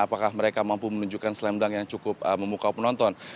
apakah mereka mampu menunjukkan slam dunk yang cukup memukau penonton